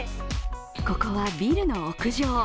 ここはビルの屋上。